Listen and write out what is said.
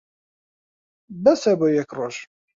بەسە بۆ یەک ڕۆژ.